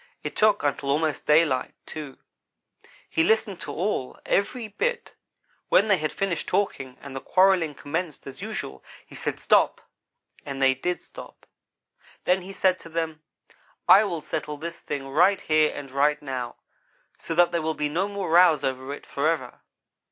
It took until almost daylight, too. He listened to it all every bit. When they had finished talking and the quarrelling commenced as usual, he said, 'stop!' and they did stop. "Then he said to them: 'I will settle this thing right here and right now, so that there will be no more rows over it, forever.'